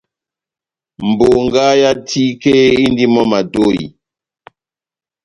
Bongá yá tike indini mɔ́ ó matohi.